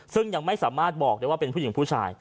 ซึ่งยังไม่สามารถบอกได้ว่าเป็นผู้หญิงผู้ชาย